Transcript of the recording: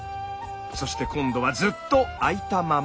そして今度はずっと開いたまま。